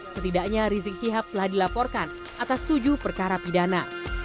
setidaknya rizik syihab telah dilaporkan atas tujuh perkara pidana